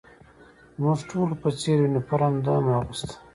زموږ ټولو په څېر یونیفورم ده هم اغوسته.